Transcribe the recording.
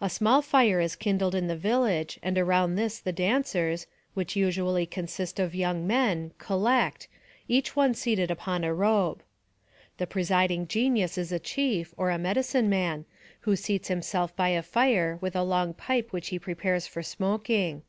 A small fire is kindled in the village, and around this the dancers, which usually consist of young men, collect, each one seated upon a robe. 180 NARRATIVE OF CAPTIVITY The presiding genius is a chief, or a medicine man, who seats himself by a fire, with a long pipe which he prepares for smoking.